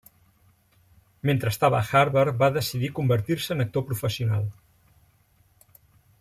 Mentre estava a Harvard va decidir convertir-se en actor professional.